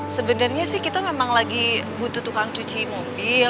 sebenarnya sih kita memang lagi butuh tukang cuci mobil